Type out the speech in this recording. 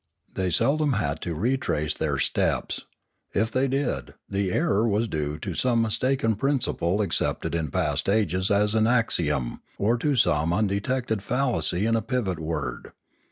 They seldom had to re trace their steps; if they did, the error was due to some mistaken principle accepted in past ages as an axiom, or to some undetected fallacy in a pivot word.